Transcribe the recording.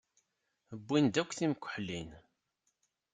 Wwin-d akk timkeḥlin.